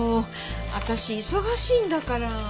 私忙しいんだから。